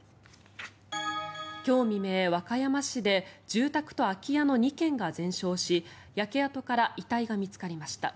今日未明、和歌山市で住宅と空き家の２軒が全焼し焼け跡から遺体が見つかりました。